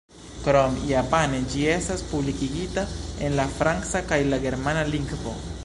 Krom japane ĝi estas publikigita en la franca kaj la germana lingvo.